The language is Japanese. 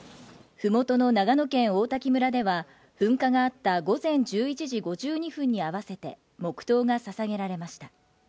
ふもとの長野県王滝村では、噴火があった午前１１時５２分に合わせて、黙とうがささげられました。